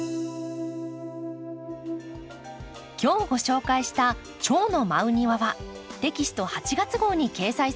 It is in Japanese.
今日ご紹介した「チョウの舞う庭」はテキスト８月号に掲載されています。